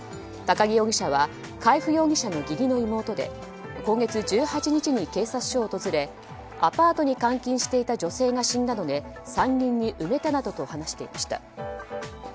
高木容疑者は海部容疑者の義理の妹で今月１８日に警察署を訪れアパートに監禁していた女性が死んだので山林に埋めたなどと話していました。